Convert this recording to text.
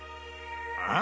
ああ？